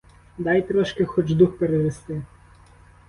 Дай трошки хоч дух перевести.